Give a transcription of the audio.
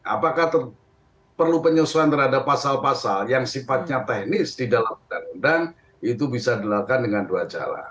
apakah perlu penyesuaian terhadap pasal pasal yang sifatnya teknis di dalam undang undang itu bisa dilakukan dengan dua cara